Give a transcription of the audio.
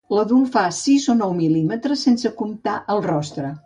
L'adult fa de sis a nou mil·límetres sense comptar el rostre.